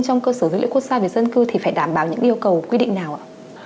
trong cơ sở dữ liệu quốc gia về dân cư thì phải đảm bảo những yêu cầu quy định nào ạ